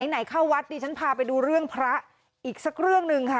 ไหนเข้าวัดดิฉันพาไปดูเรื่องพระอีกสักเรื่องหนึ่งค่ะ